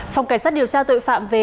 phòng cảnh sát điều tra tội phạm về